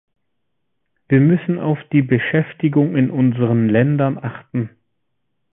Wir müssen auf die Beschäftigung in unseren Ländern achten.